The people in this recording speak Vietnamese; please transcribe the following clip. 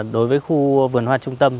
đối với khu vườn hoa trung tâm